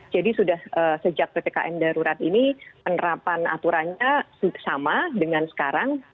jadi sudah sejak pt km darurat ini penerapan aturannya sama dengan sekarang